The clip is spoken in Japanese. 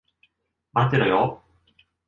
待ってろよ。